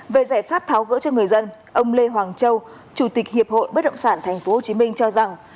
về giải pháp tháo gỡ cho người dân ông lê hoàng châu chủ tịch hiệp hội bất động sản tp hcm cho rằng